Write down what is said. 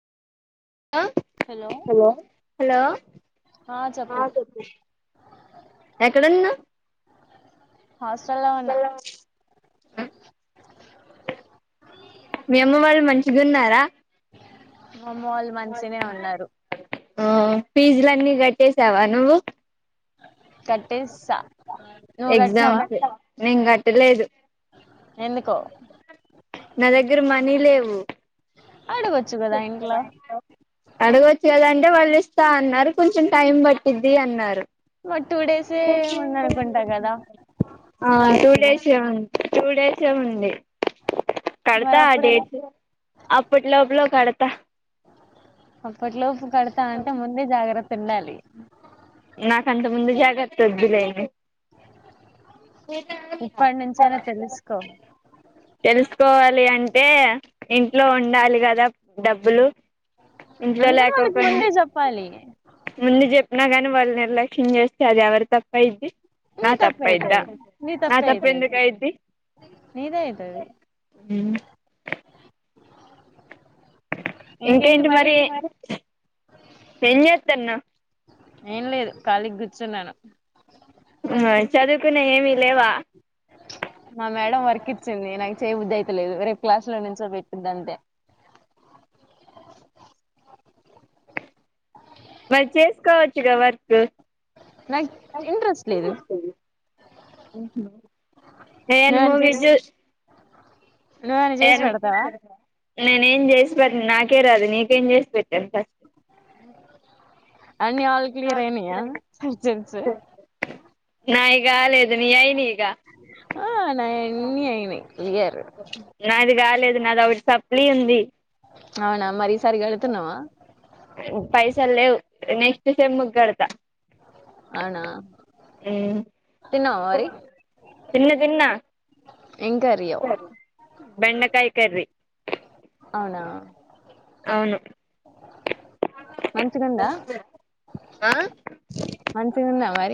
హ hello hello ఆ చెప్పు ఎక్కడన్నా హాస్టల్ లో ఉన్న మీ అమ్మ వాళ్ళు మంచిగా ఉన్నారా మామ్మ వాళ్ళు మచిగ్నే ఉన్నారు ఆ ఫీజ్లన్నీ కట్టేసావా నువ్వు కాటేసా ఎక్జాంప్ నింగ్ లేదు ఎందుకో నా దగ్గర మనీ లేవు ఆడవచ్చు కదా ఇంట్లో అడగవచ్చు కదంటే వాళ్ళు ఇస్తా అన్నారు కొంచెం టైం పట్టిద్ది అన్నారు మరి టూ డేసే ఉందనుకుంటా కదా ఆ లాస్ట్ టూ డే డేసే ఉ టూ డేసే ఉంది మరి కడతా అప్పుడు ఎలా డేట్ అప్పుట్లోప్పులో కడత అప్పట్లోపు కడతాంటే ముందే జాగ్రత్త తిన్నాలి నాకంత ముందు జాగ్రత్త వద్దులే ఇప్పటి నుంచైనా తెలుసుకో తెలుసుకోవాలి అంటే ఇంట్లో ఉండాలి కదా డబ్బులు ఇంట్లో అందుకని వాళ్ళకి ముందే లేకపోయింది చెప్పాలి ముందు చెప్ ఉన్నగాని వాళ్ళు నిర్లక్ష్యం చేస్తే అది ఎవరి తప్పు అయిద్ది నీ నా తప్పే తప్పయిద్ద అయితది నీ నా తప్పే తప్పు అయితది ఎందుకు అయిద్ది నీదే అయితది ఇంకేంటి మరి ఏం చేస్తన్నవ్ ఏం లేదు ఖాళీగ్ కూర్చున్నాను. ఆ చదువుకునే ఏమి లేవా మా మేడం వర్క్ ఇచ్చింది నై చేయబుద్ధయితలేదు రేపు క్లాసులో నుంచో పెట్టుద్దంతే మరి చేసుకోవచ్చుగా వర్క్ నాక్ ఇంట్రెస్ట్ లేదు. ఏమైనా తీస్ ఏరు నేనేం చేసి నాకే రాదు నీకేం చేసి పెట్ ఎంతయ్ అన్ని ఆల్ క్లియర్ అయినయా సబ్జెక్ట్స్ నాయి కాలేదు నీ అయినయ్ ఆ నాయి అన్ని అయినయి క్లియరు నాది కాలేదు నాది ఒకటి సప్లీ ఉంది అవునా మరి ఈ సారి కడుతున్నావా పైస లేేవు నెక్స్ట్ సేమ్ కి కడతా అవునా తిన్నావా ఉం మరి తిన్న తిన్న ఏం కర్రీ బెండకాయ కర్రీ అవునా అవును మంచిగుందా ఆ మంచిగుందా మరి